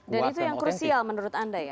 dan itu yang krusial menurut anda ya